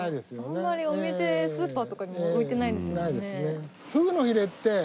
あんまりお店スーパーとかにも置いてないですもんね。